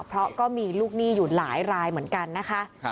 เพราะก็มีลูกหนี้อยู่หลายรายเหมือนกันนะคะ